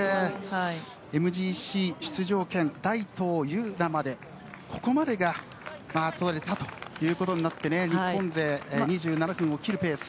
ＭＧＣ出場権、大東優奈までここまでが取れたということになって日本勢、２７分を切るペース。